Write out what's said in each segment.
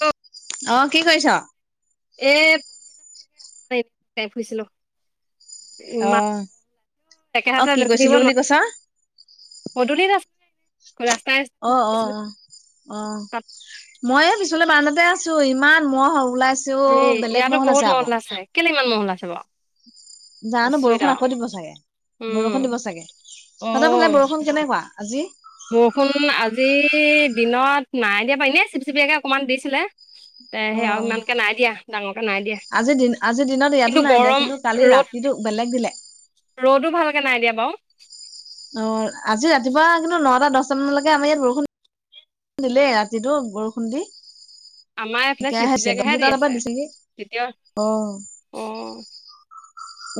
অ অ কি কৰিছ এ ফুছিলো অ অ একেহাতে কি ৰখি থাকিব কৈছিলো বুলি নোৱাৰি কৈছা? পদূলিত আছে অ অ অ অ তাত মই পিছলে বাৰণতে আছো ইমান মহ ওলাইছো এই বেলেগ ইয়াতো মহল বহুত আছে আকৌ মহল্লা কেলে ইমান মহল আছে বাৰু জানো আচৰিত বৰষুণ আকৌ আৰু দিব চাগে উম বৰষুণ দিব চাগে অ সহঁতৰ ফালে বৰষুণ কেনেকুৱা আজি বৰষুণ আজি দিনত নাই দিয়া পাৰি ন চিপ চিপিয়াকে অকমান দিছিলে তে অ সেয়া আৰু অ ইমানকে নাই দিয়া ডাঙৰ আজি দিন আজিৰ দিনত ইয়াতো নাই দিয়া গৰম কিন্তু কালি ৰ'দ ৰাতিটো বেলেগ বেলেগ ৰ'দো ভালকে নাই দিয়া বাৰু। অ আজি ৰাতিপুৱা কিন্তু নটা দহটা মানলৈকে আমাৰ ইয়াত বৰষুণ খু দিলেই ৰাতিটো বৰষুণ দি আমাৰ এইফালে চিপ সেিছে চিপিয়াকেহে দু দি তাল আছে পৰা দিছোগে তেতিয়া অ অ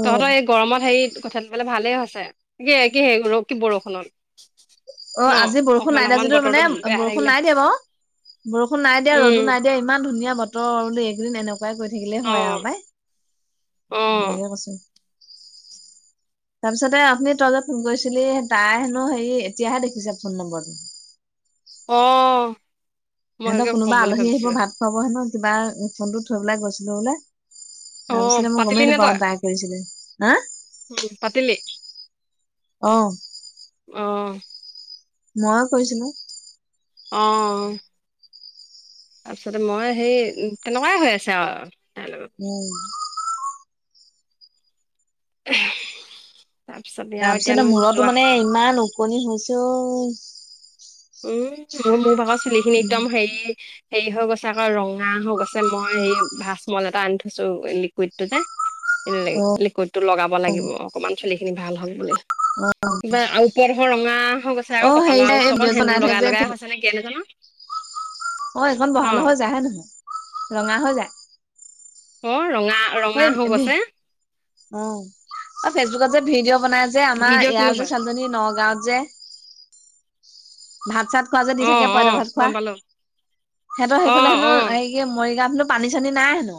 অ তহঁতৰ এই গৰমত হেৰি কথাবে ভালেই হৈছে কি কি হে ৰ কি বৰষুণত অ ন আজি বৰষুণ অকমান নাই দেিয় অকমান আজিো বতৰটো মানে বেয়া বৰষুণ থাকিলে নাই দিয়া বাৰু বৰষুণ নাই দিয়া ৰ'দো উম নাই দিয়া ইমান ধুনীয়া বতৰ বোলো এইকদিন এনেকুৱাই কৈ থাকিলে অ হয় আৰু বাই অ লাগে কচোন [unintelligible] [unintelligible] তাৰপিছতে আপুনি তই যত ফোন কৰিছিলি তাই হেনো হেৰি এতিয়াহে দেখিছে ফোন নম্বৰটো [unintelligible] আহ সিহঁতৰ কোনোবা আলী আহিব ভাত খুৱাব হে নহয় কিবা ফোনটো থৈ পেলাই গৈছিলো বোলে অ তাৰপিছতে মই পাতিলি গমেই নে তই নাপাওঁ তাই কৰিছিলে হা উম পাটিলি আহ আহ ময়ো কৰিছিলো অ তাৰপিছতে মই সেই তেনেকুৱাই হৈ আছে আৰু তাইৰ লগত উম আহ তাৰ পিছতে মূৰতো মানে ইমান ওকণনিছ উম মোৰ মোৰ ভাগৰ চুলিখিনি একদম হেৰি হেৰি হৈ গৈছে আকৌ ৰঙা হৈ গৈছে মই হে ভাজমল এটা আনি থৈছো লিকুইডটোতে অ লিকুইড টো লগাব লাগিব অকমান চুলিি খিনি ভাল হক বুলি কিবা আৰু ওপৰত ধৰ ৰঙা হৈ গৈছে অ আকৌ কপাল হেৰি যে এই চব ভিডিঅ' যে বনাই সেন্দুৰ থাকে লগাই যে লগাই হৈছে নেকি এনে জানো অ এইখন বহাল হৈ যায় হে নহয় ৰঙা হৈ যায় অ ৰঙা হয় ৰঙা হ গ আছে এইত যে ভিডিঅ' বনাই যে আমাৰ ইয়াৰ যে চানজনী নগাঁওত যে ভাত চাত খোৱা যে দি অ থাকে অ পইত ভাত খোৱা গম পালো সিহঁতৰ অ সেইফালে হেনো অ হেৰি কি মৰি গানো পানী চানী নাই হেনো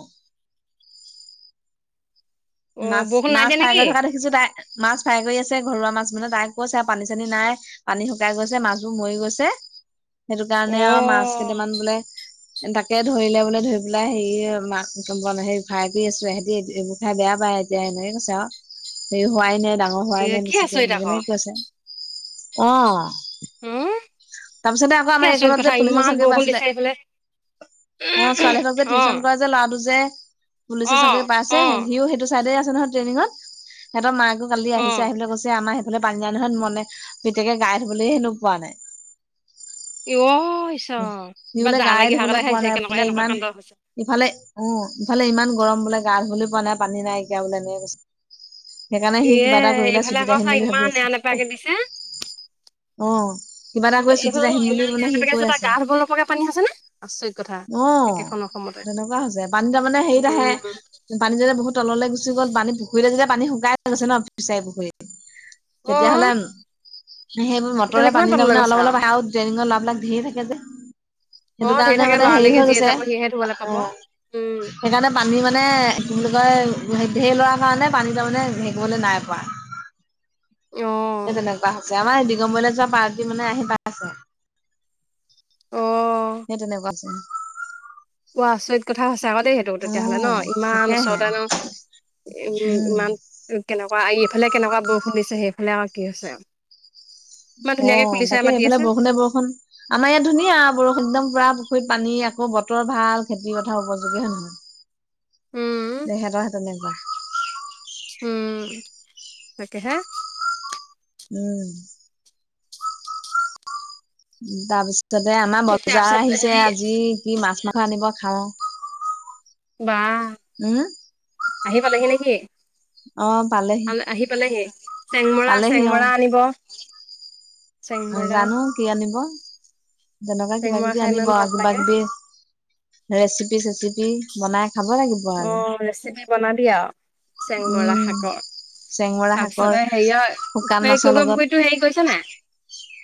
অ মাছ বৰষুণ নাই মাছ দিয়া ফ্ৰাই নেকি কৰি থকা দেখিছো তাই মাছ ফ্ৰাই কৰি আছে ঘৰুৱা মাছ মানে তাই কৈছে আৰু পানী চানী নাই পানী শুকাই গৈছে মাছবোৰ মৰি গৈছে সেইটো কাৰণে অ আৰু মাছ কেইটামান বোলে তাকে ধৰিলে বোলে ধৰি পেলাই হেৰি মাক হেৰি ফ্ৰাই কৰি আছো সিহঁতি এইবোৰ খাই বেয়া াই এতিয়া এনেকে কৈছে আৰু হেৰি হোৱাই নাই ডাঙৰ এ হোৱাই নে কি বেছিকে আচৰিত আকৌ এনেকনেকে কৈছে অ উম তাৰপিছতে আকৌ আমাৰ কি এইকণত আছৰিত যে কথা পুলিচৰ ইমান চাকৰি বৰষুণ পাইছিলে দিছে এইফালে অ ছোৱালীহঁতক যে অ টিউচন কৰা যে ল'ৰাটো যে পুলিচৰ অ চাকৰি পাই অ আছে সিও সেইটো চাইদডে আছে নহয় ট্ৰেইনিঙত সিহঁতৰ মাক অ কালিছে আহিলে কৈছে আমাৰ বোলে পান্জা নহয় মনে পিতেকে গাই ধবলৈ হেনো পোৱা নাই তছ সি কিবা বোলে যাহা গায়ে লাগি ধুবলৈ সহাকে পোৱা খাইছে নাই কেনেকুৱা বোলে এনেকুৱা ইমান কেন্দ্ৰ হৈছে ইফালে উ ইফালে ইমান গৰম বোলে গা ধুবলৈ পোৱা নাই পানী নাই এিয় বোলে এনে কৈ সেইকাৰণে সি এ কিবা এটা কৰিবলৈাই এইফালে ছুটত আকৌ আহিম চা বুলি ভাবি ইমান আছো নেৰা নেপেৰাকে দিছে অ কিবা এটা কৰিৈ ছুটিত এইফালে ন আহিম বুলি ইমান মানে নেৰা সি নেপেৰাকে কৈ আছে গা ধবোৰকে পানী আছে নে আশ্চৰিয় কথা অ', একেখন অসম তেনেকুৱা হৈছে পানী তাৰমানে হেৰিত আহে পানী যে বহুত তললৈ গুচি গ'ল পানী পুখুৰীলৈ যেতিয়া পানী শুকাই গৈছে ন ফিচাৰি পুখুৰীত অ তেতিয়াাহ'লে সেইবোৰ মটৰে তেতিয়াহ'লে কিমান পানী দা তললৈ মানে গৈছে অলপ আও অলপ হ ড্ৰেইনিঙৰ লাভ লাগ ধেৰ থাকে যে অ সেইটো ধেৰ কাৰণে থাকে মানে মানে হেৰি লৰালৰিকে হৈ যিয়ে গৈছে যাব সিয়েহে ধুবলৈ অ পাব উম সেইকাৰণে পানী মানে কি বুলি কয় ঢেৰ লৰা কাৰণে পানী তাৰ মানে হেৰিিবলৈ নাই পোৱা অ সেই তেনেকুৱা হৈছে আমাৰ দিগম্বৰলৈ যোৱা পাৰটী মানে আহি প অ আছে সেই তেনেকুৱা আছে ক আচৰিত কথা আছে চাগতেই সেইটো তেতিয়াহলে ন অ', ইমান তাকেহে ওচৰতে ন উ উম। ইমান কেনেকুৱা ইফালে কেনেকুৱা বৰষ খুন্দিছে সেইফালে আৰু কি হৈছে ইমান অ ধুনীয়াকে কুলিচাই তাকে মাতি সেইফালে আছে বৰষুণে বৰষুণ আমাৰ ইয়াত ধুনীয়া বৰষুণ একদম পুৰা ৰি পানী আকৌ বতৰ ভাল খেতি পথাৰ উপযোগী হয় নহয় উম তেহেতৰ সেই তেনেকুৱা তাকে হা উম উ তাৰ পিছতে আমাৰ বজাৰ তাৰপিছত আহিছে হেৰি আজি কি মাছ মাংস আনিব খাওঁ বা উম আহি পালহি নেকি অ পালেহি আহি পালেহি চেংমৰা পালেহি চেংমৰা আনিব অ চেংমৰা জানো কি আনিব তেনেকুৱা কিবা চেংমৰা কিবি খাই আনিব ইমান ভাল আৰু কিবা লাগে। কিবি ৰেচিপি চেচিপি বনাই খাব লাগিব আৰু অ' ৰেচিপি বনাবি আৰু চেং মৰা উম শাকৰ চেংমৰা শাকৰ তাৰপিছতে হেৰিয় শুকান এই মাছৰ কগ লগত পুখুৰীটো হেৰি কৰিছে নে নাই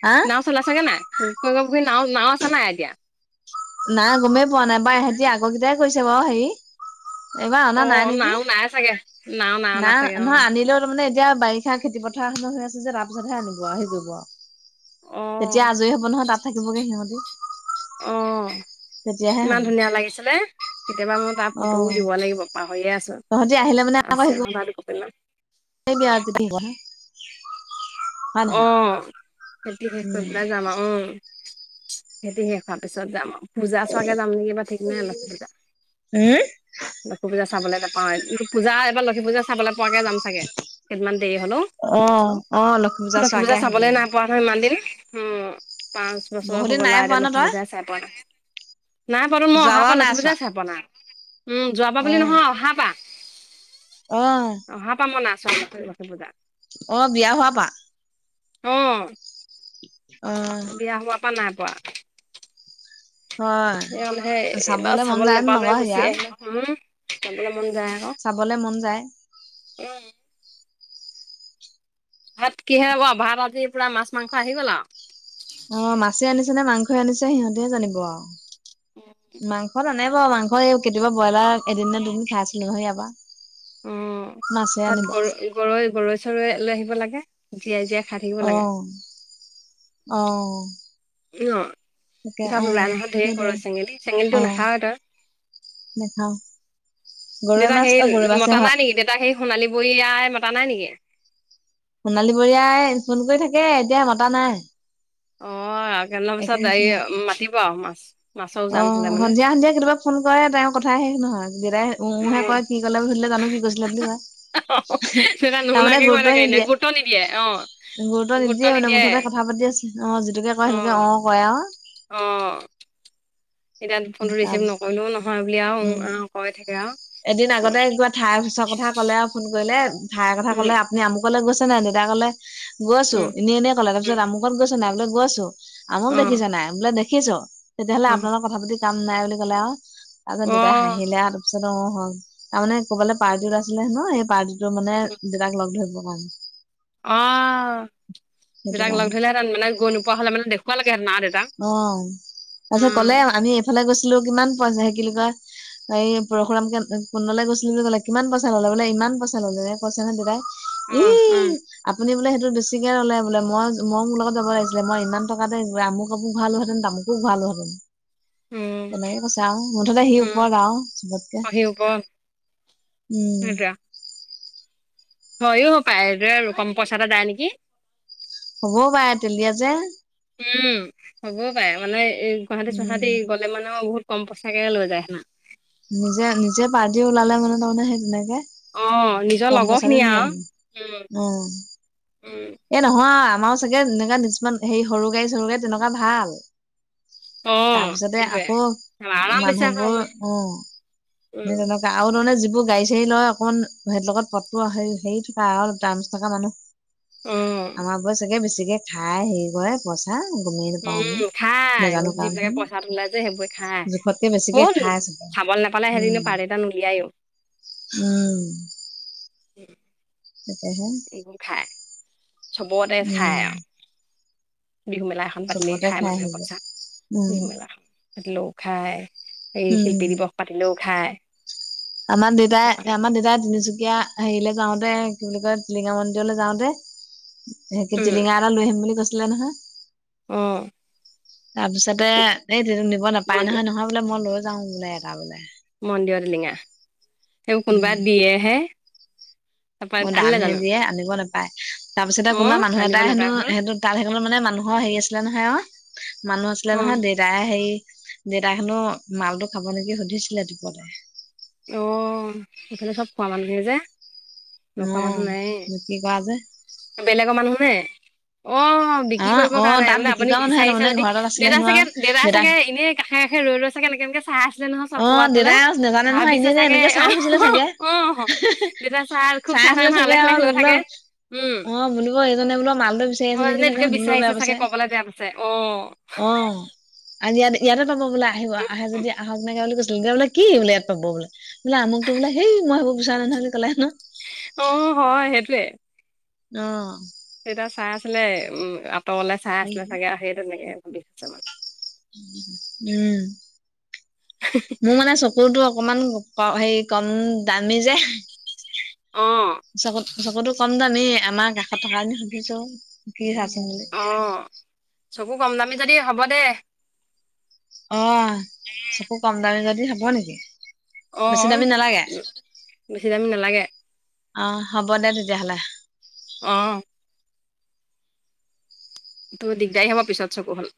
হা নাও চলাই চাগে নাই গহী নাও নাও আছা নাই এতিয়া ৱ সেই এইবাৰ অনা নাই অ' নেকি নাও নাই চাগে নাও নাও নাই নাচাগে অ'। নহয় আনিলেও তাৰমানে এতিয়া বাৰিষা খেতি পথাৰ উঠাৰ সময় হৈ আছে যে তাৰপিছতহে আনিব আহিৰি আৰু অ' তেতিয়া আজৰি হব নহয় তাত থাকিবগে সিহঁতি অ' তেতিয়াহে হব ইমান ধুনীয়া লাগিছিলে কেতিয়াবা মোৰ তাৰ অ। ফটোও দিব লাগিব পাহৰিয়ে আছো তহঁতি আহিলে মানে আকৌ শিকো অ ন শিকিবি আৰু যদি শিক আহ খেতি শেষ কৰি উম। পেলাই যামা আউ অ খেতি শেষ হোৱাৰ পিছত যাম আউ পূজা চোৱাকে যাম নেকি বা ঠিক নাই লক্ষী পূজা উম? লক্ষী পূজা চাবলৈ ত অ পূজা এবাৰ লক্ষী পূজা চাবলৈ পোৱাকে যাম চাগে কেইদমান দেৰি হলো অ অ লক্ষী পূজা চোৱাকে আহিবি চাবলৈ আৰু। নাইপোৱা নহয় ইমান দিন ওঁ পাঁচ বছৰ বহুত হৈ দিন গল নাই আ পোৱা এতিয়া ন লক্ষী তই? পূজাই চাই পোৱা নাই নাই পোৱা টোন মই অহা পা যোৱাবাৰো নাই চোৱা। লক্ষীপূজাই চাই পোৱা নাই যোৱাৰ পা অ বুলি নহয় অহাৰ পা অ অহা পা মই না চোৱা লক্ষী পূজা অ বিয়া হোৱা পা উম অ পা নাই পোৱা হয় সেই ম হে এইবাৰ চাবলে মন চাবলৈ যায় নে নাপালে নকয় গুচি ইয়াত? আহিলো হম চাব চাবলে মন যায় উম ভাত কিহে হব ভাত আজ পুৰা মাছ মাংস আহি গ'ল আৰু যোনে মাংসই আনিছে সিহঁতেহে জানিব আৰু মাংসত নানে বাৰু মাংস এই কেতিয়াবা বইলাৰ এদিন ন দুদিন খাইচিলো হে ইয়াৰ পা অ তাত গৰ গৰৈ গৰৈ চৰৈ লৈ আহিব লাগে জীয়াই জীয়াই খাই থাকিব লাগে আহ আহ ন তাত ওলাই নহই ঢেৰ সেইটোৱে গৰৈ চেঙেলী অ চেঙেলীটো নাখাৱই তই নাখাও গৰৈ দেউতাক মাছ সেই অ গৰৈ মাছে মতা হয় নাই নেকি দেউতাক সেই সোণালী বৰী আই মতা নাই নেকি সোণালী বৰীয়াই ফোন কৰি থাকে এতিয়া মতা নাই অ মান পিছত একেদিন এই ফোন নাই মাতিব আৰু মাছ মাছৰ অ উজান হলে মানে সন্ধিয়া দেতাই উহে উম কয় কি কলে বুলি সুধিলে জানো কি কৈছিলে বুলি কয় অ দেতাই তাৰমানে নুহুনাকে কৈ গুৰুত্ব থাকে এনে নিদিয়ে গুৰুত্ব নিদিয়ে অ গুৰুত্ব মানে নিদিয়ে মুঠতে কথা পাতি আছে অ যিটোকে কয় সেইটোকে অ কয় আৰু অ', এতিয়া ফোন টো ৰিচিভ তাৰপিছত নকৰিলেও নহয় বুলি আৰু উ উম আঁ কৈ থাকে আৰু এদিন আগতে কিবা ঠাইৰ অফিচৰ কথা কলে আৰু ফোন কৰিলে ঠাইৰ কথা উম কলে আপুনি আমুক কলে গৈছে নাই দেউতা কলে গৈছো উম এনেই এনেই কলে উম তাপিছত আমুকত গৈছে নাই বোলে গৈ আছো আমুক দেখিছা নাই বোলে দেখিছো তেতিয়াহলে উম অ', আপোনালত কথা পাতি কাম নাই বুলি ক'লে আৰু তাৰপিছত অ', দেতাই অ', হাঁহিলে আৰু তাৰপিছত অ হয় তাৰমানে কবালৈ পাৰ্টিত আছিলে হেনো সেই পাৰ্টি টো মানে দেউতাক লগ ধৰিবৰ কাৰণে অ সেইটো দেতাক লগ কাৰণে ধৰিলেহেঁ মানে গৈ নোপোৱা হলে মানে দেখ [unintelligible] অ তাৰপিছত উম ক'লে আমি এইফালে গৈছিলো কিমান পোৱা যায় সে কি কোৱা এই পৰশুৰাম কে কোণলৈ গৈছিলো বুলি ক'লে কিমান পইচা ললে বোলে ইমান পইচা ললে কৈছে নে দিতাই উম এ আপুনি বোলে স বেছিকে ল'লে বোলে মই মই মোৰ লগত যাব লাগিছিলে মই ইমান টকাতে ম কাপো [unintelligible] ভালোহেতেন তামুক ভাল হেতেন তেনেকে কৈছো আৰু মুঠতে আহি উম ওপৰত আৰু চবতকে আহি হব উম। হয়ও পায় আৰু কম পইচাটে দায় নেকি হ'বও পাৰে তেলীয়া যে উম হ'বও পাৰে মানে এই গুৱাহাটী চাহাটী উম গ'লে মানে বহুত কম পইচাকে লৈ যায় সেনা নিজে নিজে পাৰ [unintelligible] দি ওলালে মানে তাৰমানে সেই তেনেকে অ নিজৰ কম লগৰ খিনি পইচাৰে নিয় আৰু উম আহেম অ উম এ নহয় আমাৰো চাগে এনেুৱা কিছুমান হেৰি সৰু গাড়ী চৰু গাডী তেনেকুৱা ভাল অ তাৰপিছতে সেইটোৱে আকৌ আৰাম বেছি আকৌ মানুহবোৰ আমাৰ উ স উম তেনেকে আ ন নে য এইবোৰ গাড়ী চাড়ী লয় অকমান হে লগত পথটো হেৰি থকা আৰু াৰ্ম [unintelligible] থকা মানুহ অ আমাৰ ব চাগে বেছিকে খাই হেৰি কৰে পইচা গমেই নাপাওঁ আমি উম খাই নাজানো যিবিলাকে কাৰণহে। পইচাটো ওলাই যে সেইবোৰ খায় জোখতকে বেছিকে কোন খাই চাগে খাবলৈ নোপালে উম সেৰিনো পাৰ় এটটা ন উলিয়াইো উম উম। তাকেহে এইবোৰ খায় চবৰে উম। খাই বিহু মেলা এখন পাতিলে চবতে খায় খাই মানুহে সেইবোৰ পচা উম বিহু মেলাখন পাতিলেও খায় এই উম। শিল্পী দিৱস পাতিলেও খাই। আমাৰ দেতাই আমাৰ দেউতাই তিনিচুকীয়া হেৰিলে যাওঁতে কি বুলি কয় টিলিঙা মন্দিৰলৈ যাওতে টিলিঙা এটা লৈ আহিম বুলি কৈছিলে নহয়। উম অ তাৰপিছতে এই নিব নাপায় নহয় মন্দিৰ নহয় বোলে মই লৈছো যাওঁ বোলে এটা বোলে মন্দিৰত লিঙা সেইবোৰ কোনোবাই দিয়েহে তাৰপৰা অ আনিলে দানহে জানো দিয়ে আনিব নোপায় তাৰপিছতে অ কোনোবা মানুহ আনিব এটা হেনো নাপায় নহয় সেইহটো তাত স মানে মানুহৰ অ হেৰি আছিলে নহয় অ মানুহ আছিলে অ নহয় দেটাই [unintelligible] হেৰি দেতা খো মালটো খাব নেকি সুধিছিলে দুপতে অ ইফালে চব খোৱা মানুহখিনি যে অ নখোৱা মানুহ নাই বিক্ৰী কৰা যে বেলেগৰ মানুহ নে অ অ বিক্ৰী কৰিব অ কাৰনেই তাত মানে বিক্ৰী আপুনি কৰা মানুহে বিচাৰিছে তাৰমানে যদি ঘৰ এটাত আছিলে দেউতাই হেনো আও চাগে দেউতাই চাগে এনে কাষে কাষে ৰৈ ৰ আছে কেনে কেনে অ দেউতাই আছ নোজানে নহয় অ এনে ভাবিছে এনে চাগে এনেকে চাই অ', ফুৰিচিলে চাগে অ', দেউতা খুব চাই থাকে আছিলে নহয় চাগে আলেখ অ আলেখ লৈ বোল থাকে। উম, অ বুলিব এইজনে বোলো মাল দেহ বিচাৰি আছে অ', নেকি এজনী চাগে এইটোকে সুধিবলৈও বিচাৰিছে বেয়া চাগে পাইছে ক'বলৈ বেয়া পাইছে অ', অ আৰু ইয়াতে ইয়াতে পাব বোলে আহিব আহে যদি আহ এনে বুলি কৈছিল এতিয়া বোলে কি বোলো ইয়াত পাব বোলে বোলে আমুকতো বোলে সেই মই হেইবোৰ বিছাৰো নাথাকোঁ ক'লে হেনো। অ', হয় সেইটোয়ে। অ। চাই আছিলে উম আঁতৰলে চাই আছিলে চাগে আৰু সেইটো তেনেকে ভিষছে [unintelligible] মান উম, মোৰ মানে চকুতো অ, অকমান হুক্ক [unintelligible] হে' কম দামী যে। অ', চকু-চকুতো কম দামেই, আমাৰ কাষত থকা আ সুধিছো কি চাচোন বুলি। অ', চকু গপ। যদি হ'ব দে। অ চকু কম দামী যদি হব নেকি? অ, বেছি দামী নালাগে বেছি দামী নালাগে। অ', হ'ব দে তেতিয়াহ'লে। অহ। তুৰ দিগদাৰী হ'ব পিছত চকু হ'ল।